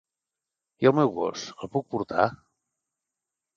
I el meu gos, el puc portar?